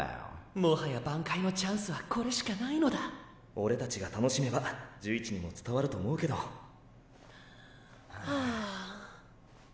もはや挽回のチャンスはこれしかないのだオレたちが楽しめば寿一にも伝わると思うけどはぁ。